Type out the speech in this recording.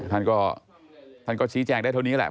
ท่านก็ชี้แจงได้เท่านี้แหละ